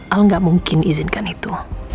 al gak mungkin izinkan itu